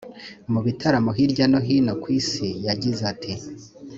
mu bitaramo hirya no hino ku isi yagize ati